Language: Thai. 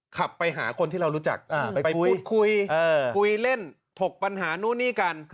ขับไปหาคนที่เรารู้จักไปพูดคุยคุยเล่นถกปัญหานู่นนี่กัน